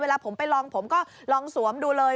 เวลาผมไปลองผมก็ลองสวมดูเลย